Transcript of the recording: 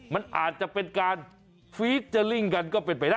มันอาจจะเป็นการฟีดเจอร์ลิ่งกันก็เป็นไปได้